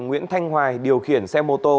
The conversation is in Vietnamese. nguyễn thanh hoài điều khiển xe mô tô